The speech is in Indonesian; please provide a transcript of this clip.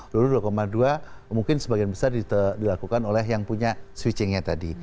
dulu dua dua mungkin sebagian besar dilakukan oleh yang punya switchingnya tadi